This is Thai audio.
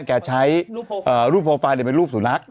แกใช้รูปโปรไฟล์เป็นรูปสุนัข